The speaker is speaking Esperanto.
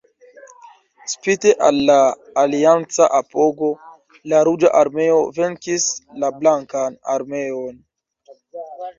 Spite al la alianca apogo, la Ruĝa Armeo venkis la Blankan Armeon.